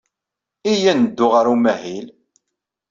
Iyya ad neddu ɣer umahil.